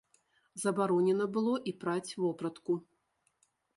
Забаронена было і праць вопратку.